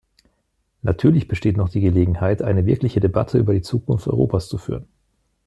Natürlich besteht noch die Gelegenheit, eine wirkliche Debatte über die Zukunft Europas zu führen.